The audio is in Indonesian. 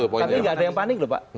tapi nggak ada yang panik loh pak